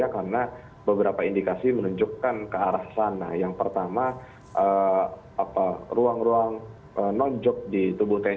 karena beberapa indikasi menunjukkan ke arah sana yang pertama apa ruang ruang nonjok di tubuh tni